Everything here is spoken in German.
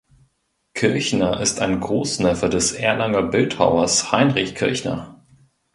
Kirchner ist ein Großneffe des Erlanger Bildhauers Heinrich Kirchner.